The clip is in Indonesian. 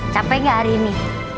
capek gak hari ini